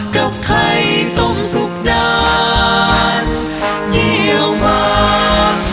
กับไข่ต้มสุขนานเยี่ยมมาก